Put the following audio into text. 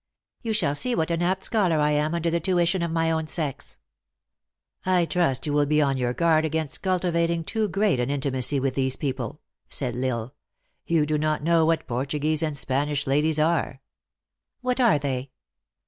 You shall see what an apt scholar I am under the tuition of my own sex." "I trust you will be on your guard against culti vating too great an intimacy with these people," said L Isle. " You do not know what Portuguese and Spanish ladies are." "What are they?"